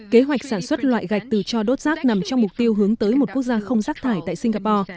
kế hoạch sản xuất loại gạch từ cho đốt rác nằm trong mục tiêu hướng tới một quốc gia không rác thải tại singapore